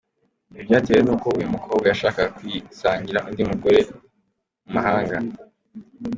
Ibi byatewe n’uko uyu mukobwa yashakaga kwisangira undi musore mu mahanga.